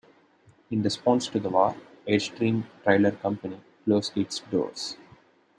In response to the war, Airstream Trailer Company closed its doors.